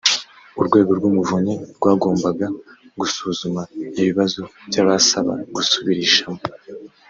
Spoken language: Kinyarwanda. urwego rw’ umuvunyi rwagombaga gusuzuma ibibazo by’abasaba gusubirishamo